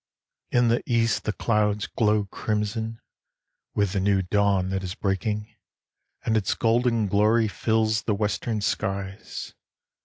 In the East the clouds glow crimson with the new dawn that is breaking, And its golden glory fills the western skies.